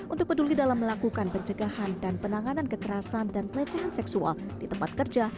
untuk peduli dalam melakukan pencegahan dan penanganan kekerasan dan pelecehan seksual di tempat kerja